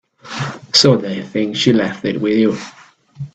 So they think she left it with you.